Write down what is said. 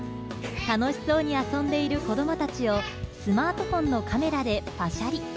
楽しそうに遊んでいる子どもたちを、スマートフォンのカメラでぱしゃり。